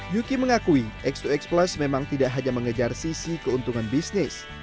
yuki mengakui x dua x plus memang tidak hanya mengejar sisi keuntungan bisnis